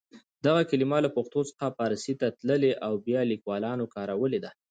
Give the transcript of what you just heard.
دغه کلمه له پښتو څخه پارسي ته تللې او بیا لیکوالانو کارولې ده.